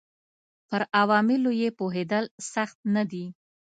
پر عواملو یې پوهېدل سخت نه دي